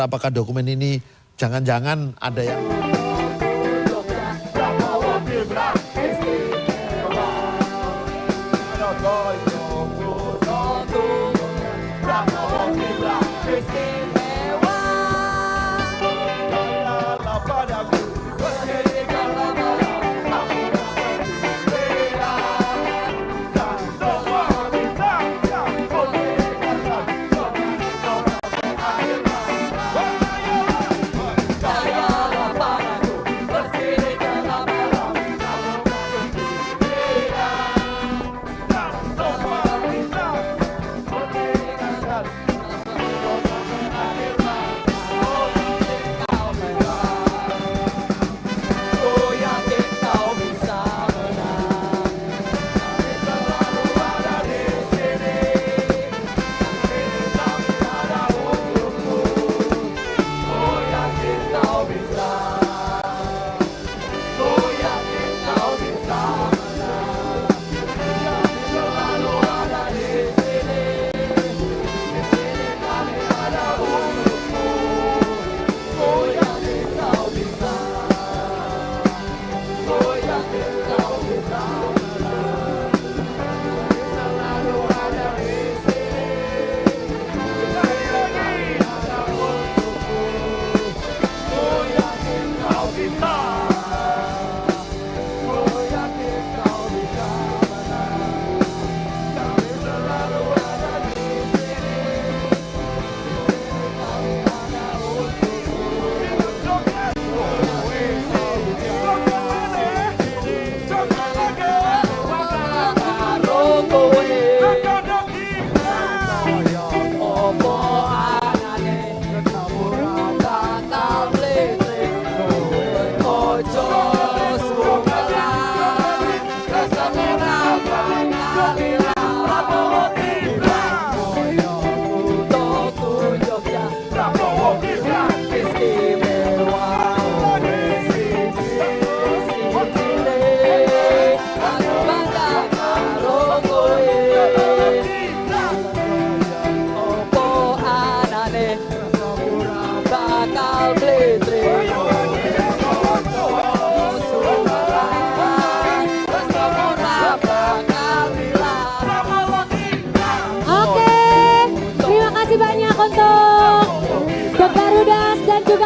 apakah dokumen ini jangan jangan ada yang